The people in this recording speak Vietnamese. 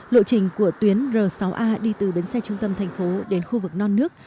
lộ trình của tuyến r sáu a đi từ bến xe trung tâm thành phố đến khu vực non nước